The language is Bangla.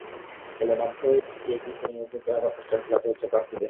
ফলে বাধ্য হয়ে একই স্থানে নতুন করে আবার পোস্টার ঝোলাতে হচ্ছে প্রার্থীদের।